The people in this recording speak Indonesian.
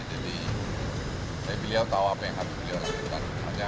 jadi saya beliau tahu apa yang harus beliau lakukan